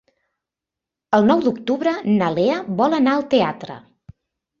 El nou d'octubre na Lea vol anar al teatre.